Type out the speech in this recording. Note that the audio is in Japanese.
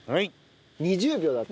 ２０秒だって。